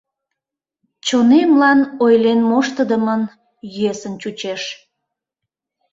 Чонемлан ойлен моштыдымын йӧсын чучеш!